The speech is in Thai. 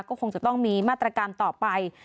ก็คงจะต้องมีมาตรการต่อไป